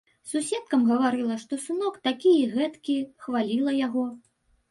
Суседкам гаварыла, што сынок такі і гэткі, хваліла яго.